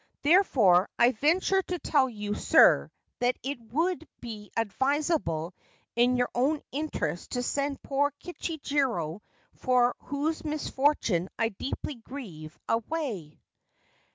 Therefore I venture to tell you, sir, that it would be advisable in your own interests to send poor Kichijiro, for whose misfortune I deeply grieve, away.'